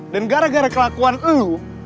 dan gara gara kelakuan lo